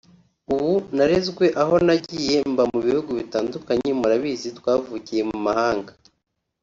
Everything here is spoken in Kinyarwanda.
uko narezwe aho nagiye mba mu bihugu bitandukanye murabizi twavukiye mu mahanga